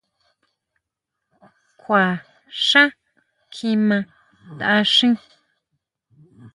¿Kjua xhán kjimá taáxin?